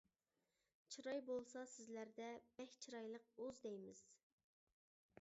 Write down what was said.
چىراي بولسا سىزلەردە، بەك چىرايلىق ‹ئۇز› دەيمىز.